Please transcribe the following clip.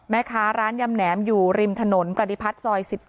แม่ค้าร้านยำแหนมอยู่ริมถนนประดิพัฒน์ซอย๑๗